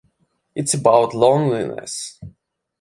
It's about loneliness.